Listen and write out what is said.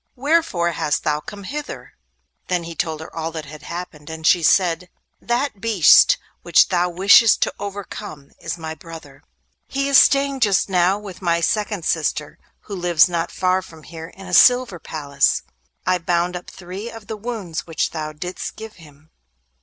—wherefore hast thou come hither?' Then he told her all that had happened, and she said: 'That beast which thou wishest to overcome is my brother. He is staying just now with my second sister, who lives not far from here in a silver palace. I bound up three of the wounds which thou didst give him.